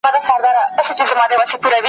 داسي اور دی چي نه مري او نه سړیږي `